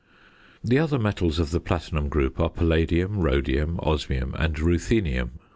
The other metals of the platinum group are Palladium, Rhodium, Osmium, and Ruthenium.